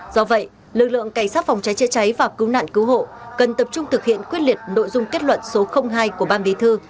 do vậy lực lượng cảnh sát phòng cháy chữa cháy và cứu nạn cứu hộ cần tập trung thực hiện quyết liệt nội dung kết luận số hai của ban bí thư